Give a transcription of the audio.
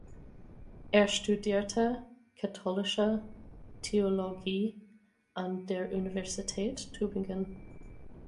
Er studierte katholische Theologie an der Universität Tübingen.